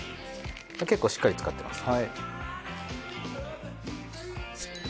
結構しっかり漬かってますね。